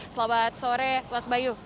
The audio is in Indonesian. selamat sore mas bayu